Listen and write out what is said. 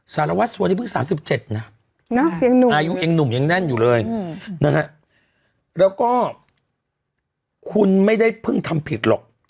สารวัสสัวนี้เพิ่ง๓๗นะอายุเองหนุ่มยังแน่นอยู่เลยนะฮะแล้วก็คุณไม่ได้เพิ่งทำผิดหรอก